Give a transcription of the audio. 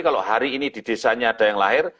kalau hari ini di desanya ada yang lahir